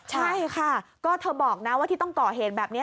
ใช่ค่ะก็เธอบอกนะว่าที่ต้องก่อเหตุแบบนี้